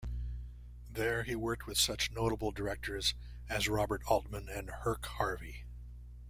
There, he worked with such notable directors as Robert Altman and Herk Harvey.